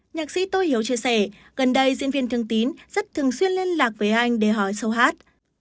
nhạc sĩ tôi hiếu chia sẻ gần đây diễn viên thương tín rất thường xuyên liên lạc với anh để hỏi sâu hát